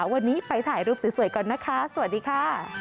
วันนี้ไปถ่ายรูปสวยก่อนนะคะสวัสดีค่ะ